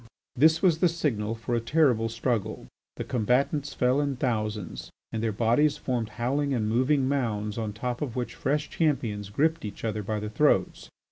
This was the signal for a terrible struggle. The combatants fell in thousands, and their bodies formed howling and moving mounds on top of which fresh champions gripped each other by the throats.